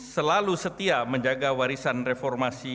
selalu setia menjaga warisan reformasi